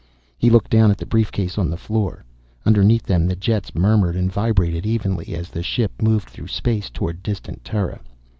He looked down at the briefcase on the floor. Underneath them the jets murmured and vibrated evenly, as the ship moved through space toward distant Terra.